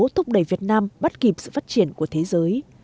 thúc đẩy việt nam bắt kịp sự phát triển của thế giới